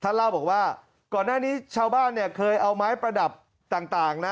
เล่าบอกว่าก่อนหน้านี้ชาวบ้านเนี่ยเคยเอาไม้ประดับต่างนะ